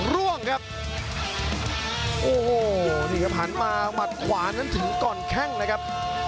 ร่วงครับโอ้โหนี่ครับหันมาหมัดขวานั้นถึงก่อนแข้งนะครับ